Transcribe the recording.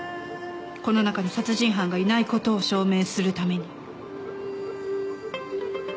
この中に殺人犯がいないことを証明するために。